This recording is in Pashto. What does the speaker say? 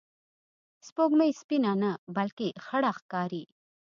سپوږمۍ سپینه نه، بلکې خړه ښکاري